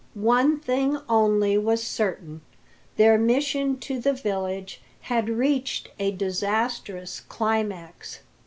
One thing only was certain: their mission to the village had reached a disastrous climax.